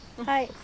はい。